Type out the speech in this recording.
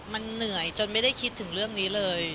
มันเหนื่อยจนไม่ได้คิดถึงเรื่องนี้เลย